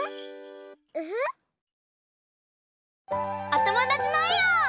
おともだちのえを。